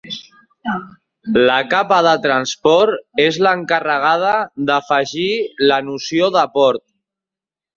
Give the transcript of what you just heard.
La capa de transport és l'encarregada d'afegir la noció de port.